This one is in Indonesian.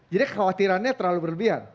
jadi kekhawatirannya terlalu berlebihan